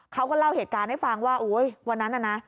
เขาก็เล่าเหตุการณ์ให้ฟังว่าโอ๊ยวันนั้นน่ะนะ